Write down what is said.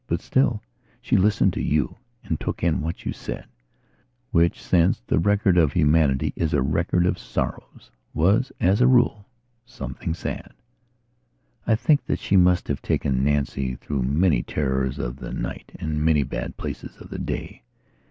But still, she listened to you and took in what you said, which, since the record of humanity is a record of sorrows, was, as a rule, something sad. I think that she must have taken Nancy through many terrors of the night and many bad places of the day.